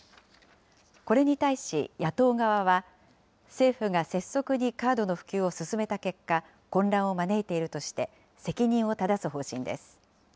これに対し、野党側は、政府が拙速にカードの普及を進めた結果、混乱を招いているとして、責任をただす方針です。